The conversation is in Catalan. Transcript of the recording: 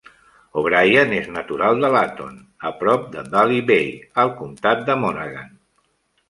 O'Brien és natural de Latton, a prop de Ballybay, al comtat de Monaghan.